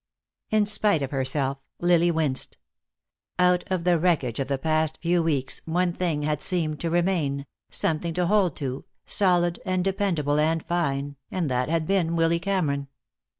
In spite of herself Lily winced. Out of the wreckage of the past few weeks one thing had seemed to remain, something to hold to, solid and dependable and fine, and that had been Willy Cameron.